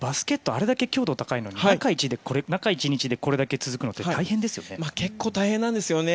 あれだけ強度が高いのに中１日でこれだけ続くのって結構大変なんですよね。